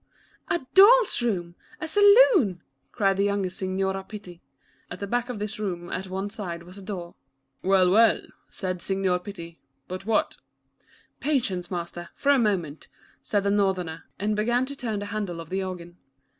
" A doll's room, a salon, ^^ cried the youngest Signorina Pitti. At the back of this room at one side was a door. " Well, well," said Signor Pitti, "but what —" "Patience, master, for a moment," said the Northerner, and began to turn the handle of the organ.